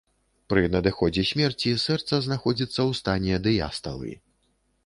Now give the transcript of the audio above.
Пры надыходзе смерці сэрца знаходзіцца ў стане дыясталы.